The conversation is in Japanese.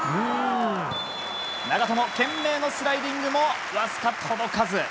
長友懸命のスライディングもわずか、届かず。